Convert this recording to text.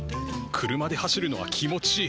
車で走るのは気持ちいい。